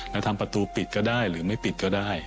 เราทำประตูปิดก็ได้หรือไม่ปิดก็ได้